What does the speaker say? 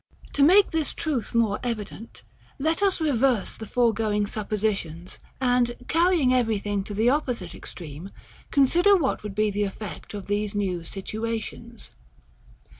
To make this truth more evident, let us reverse the foregoing suppositions; and carrying everything to the opposite extreme, consider what would be the effect of these new situations.